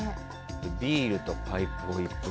ビールとパイプで一服。